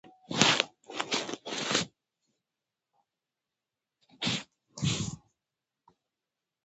نن سبا له سیاسي اسلام صاحب نظر څخه پوښتنه وشي.